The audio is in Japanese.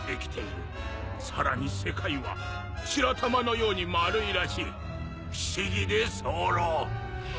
「さらに世界は白玉のように丸いらしい」「不思議で候」